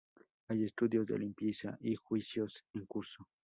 Hay estudios de limpieza y juicios en curso.